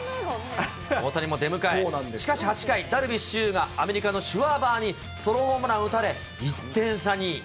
大谷も出迎え、しかし８回、ダルビッシュ有がアメリカのシュワーバーにソロホームランを打たれ、１点差に。